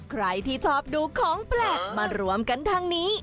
ใครที่ชอบดูของแปลกมารวมกันทางนี้